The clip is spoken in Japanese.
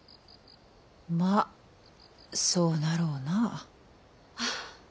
まあそうなろうな。